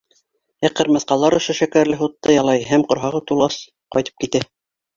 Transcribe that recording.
Ә ҡырмыҫҡалар ошо шәкәрле һутты ялай һәм ҡорһағы тулғас, ҡайтып китә.